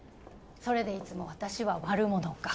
それでいつも私は悪者か。